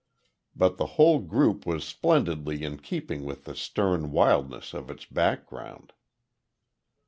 But the whole group was splendidly in keeping with the stern wildness of its background.